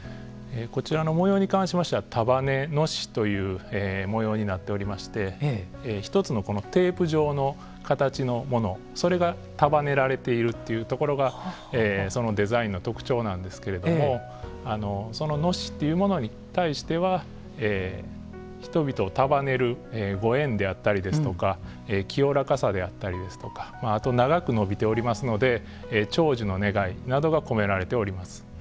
こちらの模様に関しましては束ね熨斗という模様になっておりまして１つのテープ状の形のものそれが束ねられているというところがそのデザインの特徴なんですけれどもその熨斗というものに対しては人々を束ねるご縁であったりですとか清らかさであったりですとかあと長く伸びておりますので長寿の願いなどが込められております。